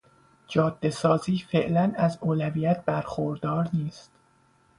جاده سازی فعلا از اولویت برخوردار نیست.